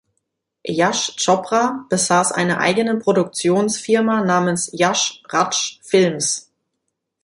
Yash Chopra besaß eine eigene Produktionsfirma namens Yash Raj Films.